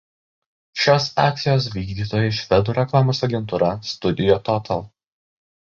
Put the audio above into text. Šios akcijos vykdytojai švedų reklamos agentūra „Studio Total“.